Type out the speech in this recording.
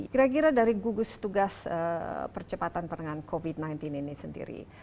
kira kira dari gugus tugas percepatan penanganan covid sembilan belas ini sendiri